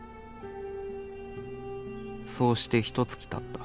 「そうして一月たった」。